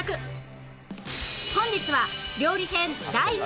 本日は